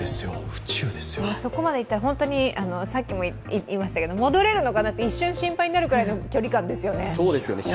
そこまで行ったら、さっきも言いましたけれども、戻れるのか、一瞬心配になる距離感ですよね。